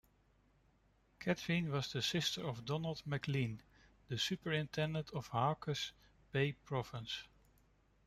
Catherine was the sister of Donald McLean, the Superintendent of Hawke's Bay Province.